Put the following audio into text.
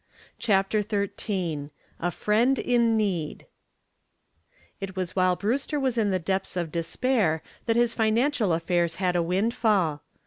CHAPTER XIII A FRIEND IN NEED It was while Brewster was in the depths of despair that his financial affairs had a windfall.